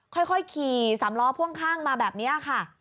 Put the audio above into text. ค่อยขี่สามล้อพ่วงข้างมาแบบนี้ค่ะ